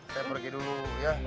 saya pergi dulu ya